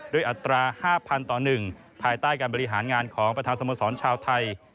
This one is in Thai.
อัตรา๕๐๐ต่อ๑ภายใต้การบริหารงานของประธานสโมสรชาวไทย